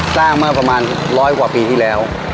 สร้างเมื่อประมาณร้อยกว่าปีที่แล้ว